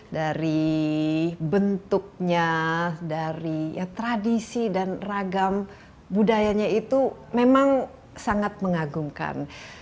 dari bentuknya dari tradisi dan ragam budayanya itu memang sangat mengagumkan